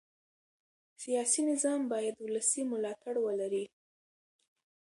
سیاسي نظام باید ولسي ملاتړ ولري